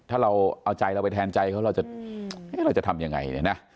ถ้าเราเอาใจเราไปแทนใจเขาเราจะทำยังไงเนี่ยนะ